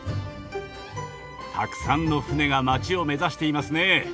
たくさんの船が街を目指していますね。